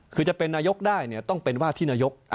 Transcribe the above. คือจะเป็นนายกได้เนี่ยต้องเป็นว่าที่นายก